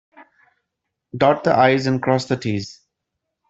Dot the I's and cross the T's.